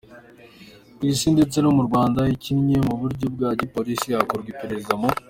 ku isi ndetse no mu Rwanda ikinnye mu buryo bwa gipolisi hakorwa iperereza mu.